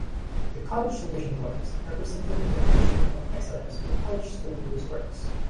The College Television Awards are presented in recognition of excellence in college student-produced works.